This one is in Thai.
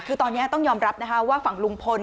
คือตอนนี้ต้องยอมรับนะคะว่าฝั่งลุงพล